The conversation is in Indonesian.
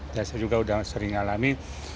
saya juga sudah sering alami